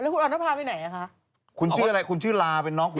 หมายจริง